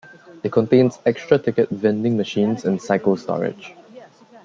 It contains extra ticket vending machines and cycle storage.